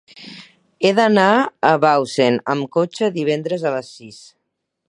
He d'anar a Bausen amb cotxe divendres a les sis.